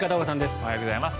おはようございます。